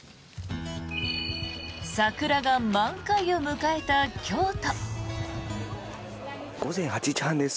桜が満開を迎えた京都。